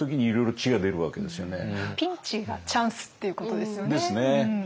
ピンチがチャンスっていうことですよね。